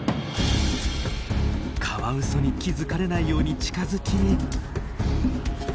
カワウソに気付かれないように近づき。